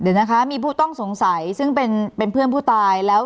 เดี๋ยวนะคะมีผู้ต้องสงสัยซึ่งเป็นเพื่อนผู้ตายแล้ว